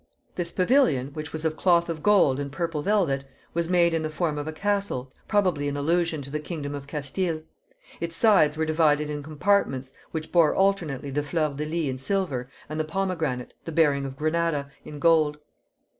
This pavilion, which was of cloth of gold and purple velvet, was made in the form of a castle, probably in allusion to the kingdom of Castile; its sides were divided in compartments, which bore alternately the fleur de lis in silver, and the pomegranate, the bearing of Granada, in gold.